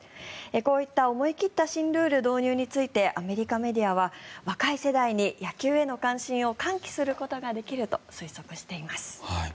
こういった思い切った新ルール導入についてアメリカメディアは若い世代に野球への関心を喚起することができると推測しています。